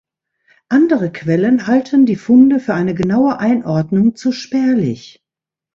Andere Quellen halten die Funde für eine genaue Einordnung zu spärlich.